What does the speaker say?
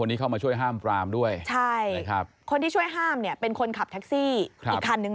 ที่ช่วยห้ามเนี้ยเป็นคนขับแท็คซี่ครับอีกคันหนึ่ง